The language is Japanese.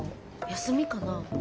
休みかな？